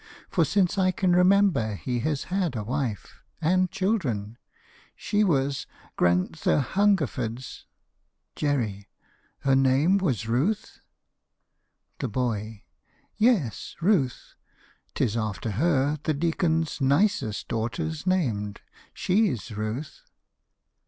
For since I can remember he has had a wife And children. She was Gran'ther Hungerford's JERRY. Her name was Ruth? THE BOY. Yes, Ruth! 'T is after her The deacon's nicest daughter's named; she's Ruth.